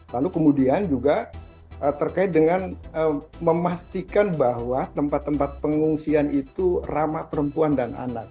lalu kemudian juga terkait dengan memastikan bahwa tempat tempat pengungsian itu ramah perempuan dan anak